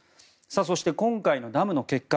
そして、今回のダムの決壊。